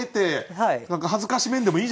はい。